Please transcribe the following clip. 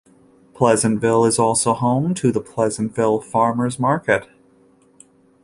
Pleasantville is also home to the Pleasantville Farmers Market.